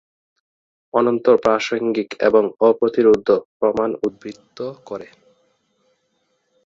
অনন্ত প্রাসঙ্গিক এবং অপ্রতিরোধ্য প্রমাণ উদ্ধৃত করেন।